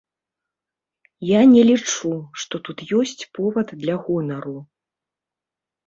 Я не лічу, што тут ёсць повад для гонару.